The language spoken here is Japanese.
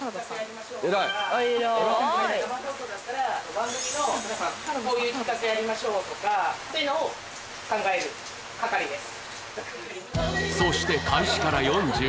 番組のこういう企画やりましょうとかそういうのを考える係です